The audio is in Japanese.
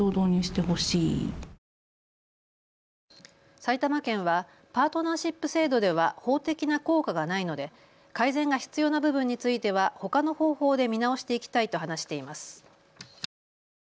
埼玉県はパートナーシップ制度では法的な効果がないので改善が必要な部分についてはほかの方法で見直していきたいと話しています。